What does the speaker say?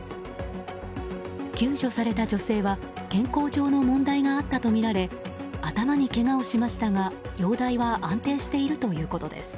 救助された女性は健康上の問題があったとみられ頭にけがをしましたが、容体は安定しているということです。